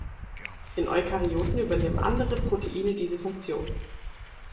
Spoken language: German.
In Eukaryoten übernehmen andere Proteine diese Funktion.